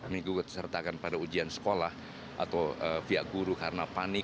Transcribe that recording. mengikut sertakan pada ujian sekolah atau via guru karena panik